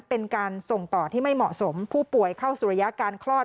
เป็นการส่งต่อที่ไม่เหมาะสมผู้ป่วยเข้าสู่ระยะการคลอด